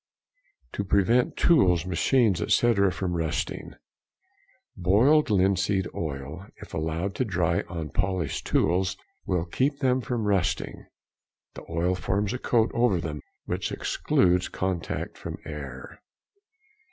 To prevent tools, machines, etc., from rusting.—Boiled linseed oil, if allowed to dry on polished tools, will keep them |172| from rusting; the oil forms a coat over them which excludes contact from air.